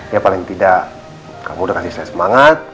ya paling tidak kamu udah kasih saya semangat